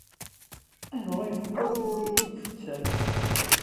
Ayɣer ay teqqel ur iyi-d-tettaru?